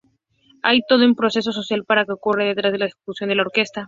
Hay todo un proceso social que ocurre detrás de la ejecución de la orquesta.